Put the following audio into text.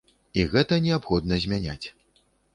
І гэта неабходна змяняць.